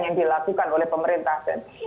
yang dilakukan oleh pemerintah